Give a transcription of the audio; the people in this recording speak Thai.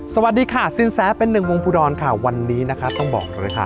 สวัสดีค่ะสินแสเป็นหนึ่งวงภูดรค่ะวันนี้นะคะต้องบอกเลยค่ะ